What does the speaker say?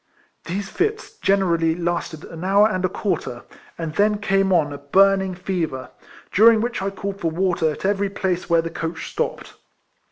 These fits generally lasted an hour and a quarter, and then came on a burning fever, during which I called for water at every place where the coach stopped.